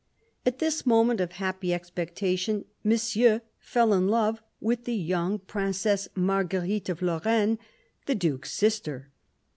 At this moment of happy expectation, Monsieur fell in love with the young Princess Marguerite of Lorraine, the Duke's sister.